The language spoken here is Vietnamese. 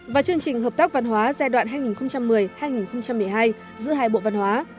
và chương trình hợp tác văn hóa giai đoạn hai nghìn một mươi hai nghìn một mươi hai giữa hai bộ văn hóa